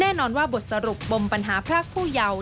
แน่นอนว่าบทสรุปปมปัญหาพรากผู้เยาว์